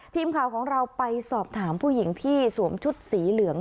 ทีมข่าวของเราไปสอบถามผู้หญิงที่สวมชุดสีเหลือง